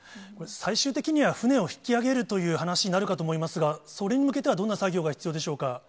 最終的には、船を引き揚げるという話になるかと思いますが、それに向けてはどんな作業が必要